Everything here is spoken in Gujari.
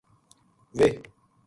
ویہ